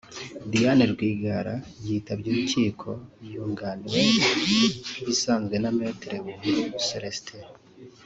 Diane Rwigara yitabye urukiko yunganiwe nk’ibisanzwe na Me Buhuru Célestin